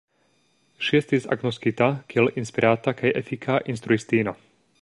Ŝi estis agnoskita kiel inspirata kaj efika instruistino.